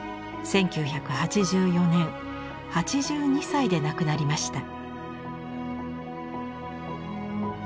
１９８４年８２歳で亡くなりました。